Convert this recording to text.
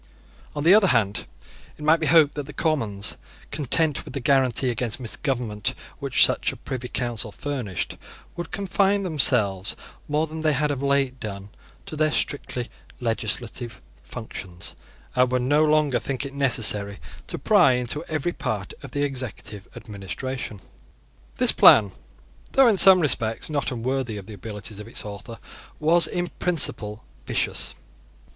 On the other hand, it might be hoped that the Commons, content with the guarantee against misgovernment which such a Privy Council furnished, would confine themselves more than they had of late done to their strictly legislative functions, and would no longer think it necessary to pry into every part of the executive administration. This plan, though in some respects not unworthy of the abilities of its author, was in principle vicious.